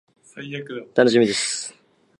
楽しみです。